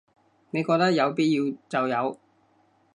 你覺得有必要就有